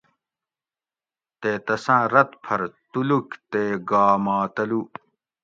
تے تساٞں رٞت پٞھر تُلوک تے گھا ما تلُو